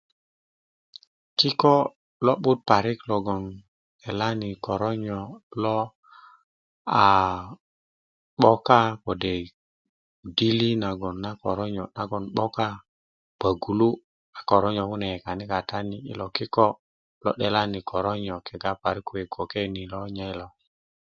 kiko' lo'but parik logon 'delani koronyo' lo aaa 'boka kode' dili nagoŋ na koronyo' nagoŋ kode' 'boka a pögulu' a koronyo' kune yekani' katani yilo a kiko' lo 'delani koronyo' kega parik kwe gboke ni lo nye yilo